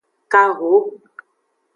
Kaho.